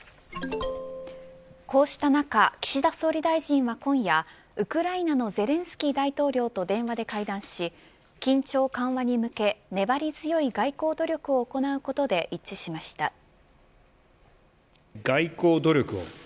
こうした中岸田総理大臣は今夜ウクライナのゼレンスキー大統領と電話で会談し緊張緩和に向け粘り強い外交努力を行うことで一致しました。